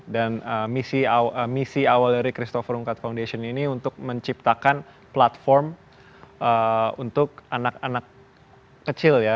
dan misi awal dari christopher ungkat foundation ini untuk menciptakan platform untuk anak anak kecil ya